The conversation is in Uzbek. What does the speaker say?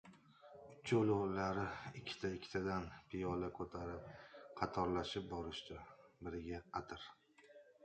Uchovlari ikkita-ikkitadan piyola ko‘tarib qatorlashib borishdi. Biriga atir